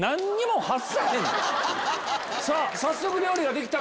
早速料理ができた。